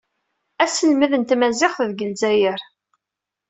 Aselmed n tmaziɣt deg Lezzayer.